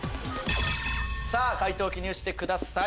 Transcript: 解答記入してください。